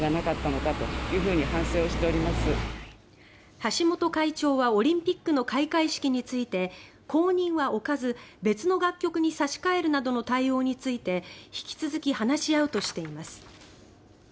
橋本会長はオリンピックの開会式について後任は置かず、別の楽曲に差し替えるなどの対応について引き続き話し合うとしています。